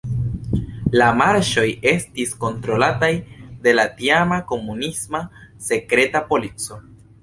La marŝoj estis kontrolataj de la tiama komunisma sekreta polico.